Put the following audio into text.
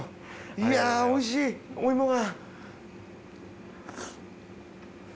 いやぁ美味しいお芋が。